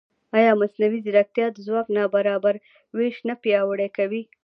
ایا مصنوعي ځیرکتیا د ځواک نابرابر وېش نه پیاوړی کوي؟